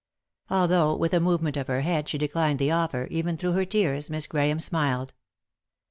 Although, with a movement of her head, she declined the offer, even through her tears Miss Grahame smiled.